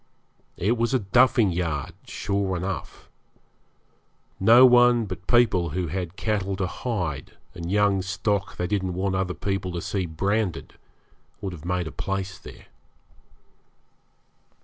It was a 'duffing yard' sure enough. No one but people who had cattle to hide and young stock they didn't want other people to see branded would have made a place there.